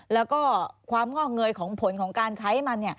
แล้วก็ความงอกเงยของผลของการใช้มัน